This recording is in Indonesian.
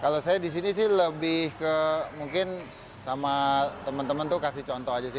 kalau saya di sini sih lebih ke mungkin sama teman teman tuh kasih contoh aja sih